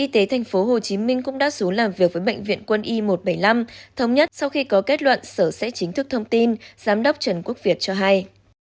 y tế tp hcm cũng đã xuống làm việc với bệnh viện quân y một trăm bảy mươi năm thống nhất sau khi có kết luận sở sẽ chính thức thông tin giám đốc trần quốc việt cho hay